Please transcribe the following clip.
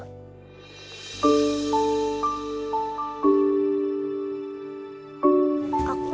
di mana dulu